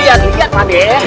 lihat pak d